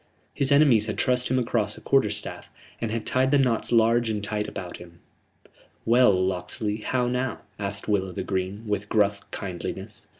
His enemies had trussed him across a quarter staff, and had tied the knots large and tight about him. "Well, Locksley, how now?" asked Will o' th' Green, with gruff kindliness.